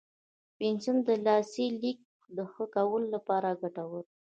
پنسل د لاسي لیک د ښه کولو لپاره ګټور دی.